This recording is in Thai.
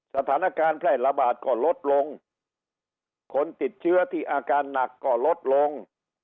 สถานการณ์แพร่ระบาดก็ลดลงคนติดเชื้อที่อาการหนักก็ลดลง